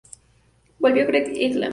Volvió Greg Eklund.